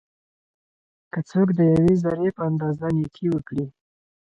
که څوک د یوې ذري په اندازه نيکي وکړي؛